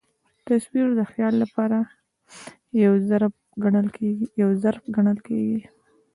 تصویر د خیال له پاره یو ظرف ګڼل کېږي.